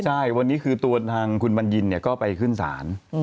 ใช่วันนี้คือตัวทางคุณบัญญินก็ไปขึ้นศาล